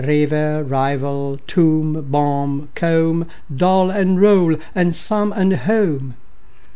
River, rival; tomb, bomb, comb; Doll and roll and some and home.